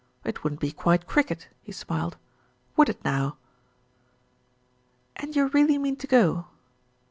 It wouldn't be quite cricket," he smiled. "Would it now?" "And you really mean to go?"